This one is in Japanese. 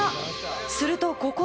するとここで。